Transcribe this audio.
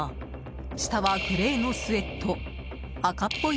下はグレーのスウェット赤っぽい